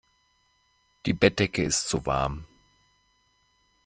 Die Bettdecke ist zu warm.